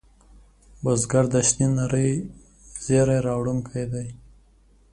بزګر د شنې نړۍ زېری راوړونکی دی